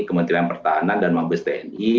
kementerian pertahanan dan mabes tni